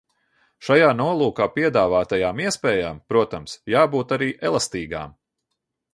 Šajā nolūkā piedāvātajām iespējām, protams, jābūt arī elastīgām.